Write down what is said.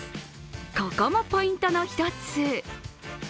ここもポイントの１つ。